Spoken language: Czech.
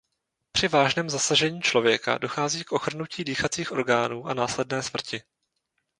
Při vážném zasažení člověka dochází k ochrnutí dýchacích orgánů a následné smrti.